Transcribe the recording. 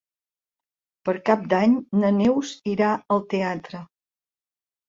Per Cap d'Any na Neus irà al teatre.